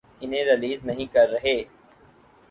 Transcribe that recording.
انہیں ریلیز نہیں کر رہے۔